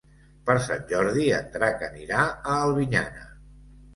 Per Sant Jordi en Drac anirà a Albinyana.